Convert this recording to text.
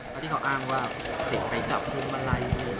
แล้วที่เขาอ้างว่าเห็นใครจับเครื่องมาลัย